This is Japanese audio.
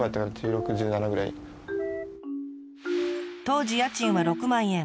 当時家賃は６万円。